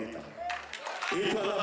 itu adalah bahagia